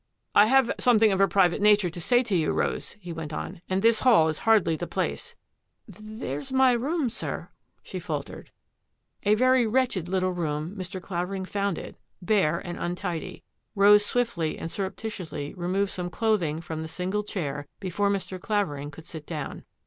" I have something of a private nature to say to you, Rose," he went on, " and this hall is hardly the place —"" There's my room, sir," she faltered. A very wretched little room Mr. Clavering found it, bore and untidy. Rose swiftly and surrep titiously removed some clothing from the single chair before Mr. Clavering could sit down.